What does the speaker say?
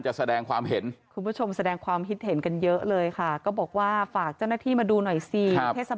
เหมือนไม่มีตามบ้านให้ที่นี่